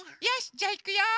じゃあいくよ。